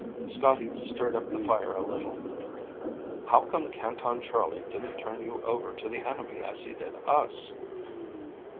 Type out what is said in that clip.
Scotty stirred up the fire a little. "How come Canton Charlie didn't turn you over to the enemy as he did us?"